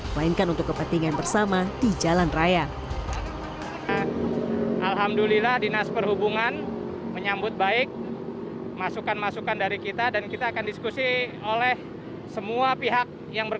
melainkan untuk kepentingan bersama di jalan raya